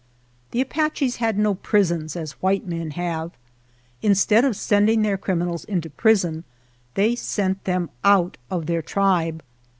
The Apaches had no prisons as white men have. Instead of sending their criminals into prison they sent them out of their tribe.